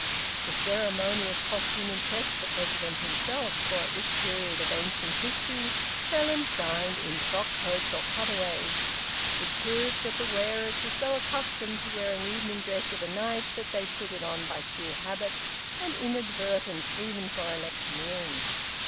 The ceremonious costume impressed the President himself, for at this period of ancient history Felons dined in frock coats or cutaways; it proved that the wearers were so accustomed to wearing evening dress of a night that they put it on by sheer habit and inadvertence even for electioneering.